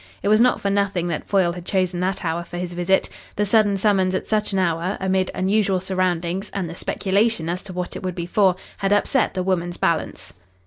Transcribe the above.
It was not for nothing that Foyle had chosen that hour for his visit. The sudden summons at such an hour, amid unusual surroundings and the speculation as to what it would be for, had upset the woman's balance.